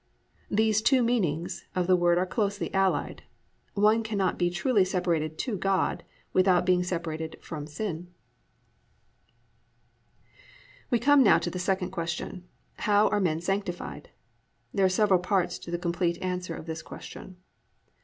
These two meanings of the word are closely allied—one cannot be truly separated to God without being separated from sin. II. HOW MEN ARE SANCTIFIED We come now to the second question, How are men sanctified? There are several parts to the complete answer of this question.